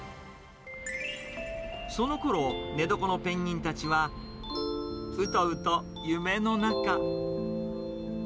そのころ、寝床のペンギンたちは、うとうと夢の中。